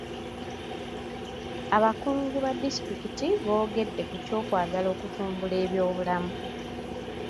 Abakungu ba disitulikiti boogedde ku kyokwagala okutumbula ebyobulamu.